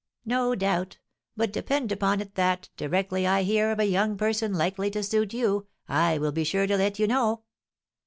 "No doubt; but depend upon it that, directly I hear of a young person likely to suit you, I will be sure to let you know."